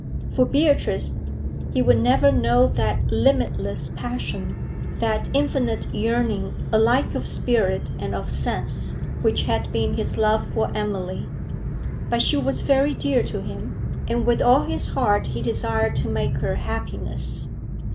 For Beatrice he would never know that limitless passion, that infinite yearning alike of spirit and of sense, which had been his love for Emily; but she was very dear to him, and with all his heart he desired to make her happiness.